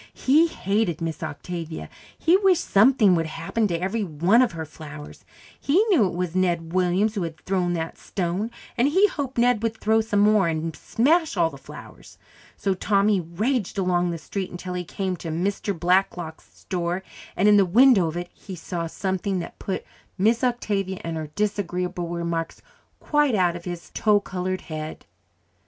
He hated Miss Octavia; he wished something would happen to every one of her flowers; he knew it was Ned Williams who had thrown that stone, and he hoped Ned would throw some more and smash all the flowers. So Tommy raged along the street until he came to Mr. Blacklock's store, and in the window of it he saw something that put Miss Octavia and her disagreeable remarks quite out of his tow coloured head.